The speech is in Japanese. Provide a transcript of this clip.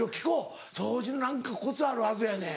掃除の何かコツがあるはずやねん。